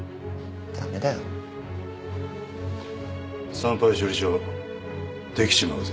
産廃処理場できちまうぜ。